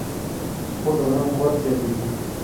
سپورت د بدن قوت زیاتوي.